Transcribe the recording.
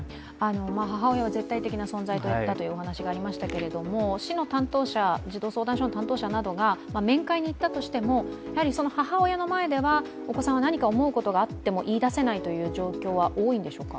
母親が絶対的な存在だというお話がありましたけれども、市の担当者、児童相談所の担当者などが面会に行ったとしても、その母親の前では、お子さんは何か思うことがあっても言いだせないという状況は多いんでしょうか？